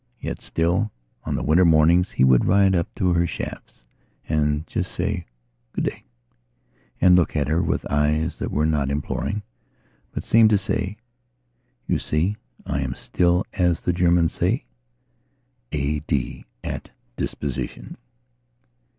Yet still, on the winter mornings he would ride up to her shafts and just say: "Good day," and look at her with eyes that were not imploring, but seemed to say: "You see, I am still, as the Germans say, A. D.at disposition."